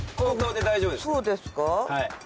そうですか。